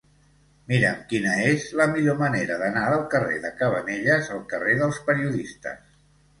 Mira'm quina és la millor manera d'anar del carrer de Cabanelles al carrer dels Periodistes.